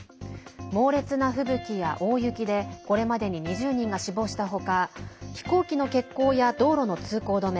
猛烈な吹雪や大雪でこれまでに２０人が死亡した他飛行機の欠航や道路の通行止め